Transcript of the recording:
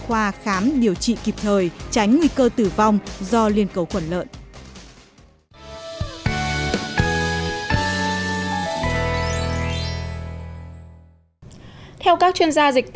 khoa khám điều trị kịp thời tránh nguy cơ tử vong do liên cầu khuẩn lợn theo các chuyên gia dịch